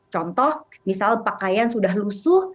contoh misal pakaian sudah lusuh